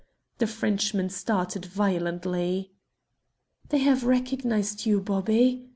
The Frenchman started violently. "They have recognized you, Bobby!"